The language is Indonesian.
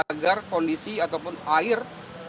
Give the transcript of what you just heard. agar kondisi ataupun air